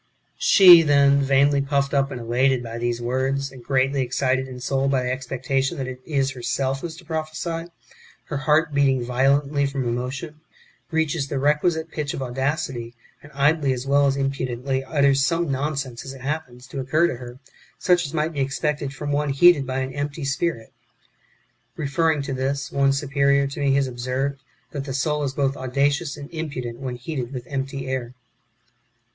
She then, vainly puffed up and elated by these words, and greatly excited in soul by the expectation that it is herself who is to prophesy, her heart beating violently [from emotion], reaches the requisite pitch of audacity, and idly as well as impudently utters some non sense as it happens to occur to her, such as might be expected from one heated by an empty spirit. (Referring to this, one superior to me has observed, that the soul is both audacious and impudent wdien heated with empty air.)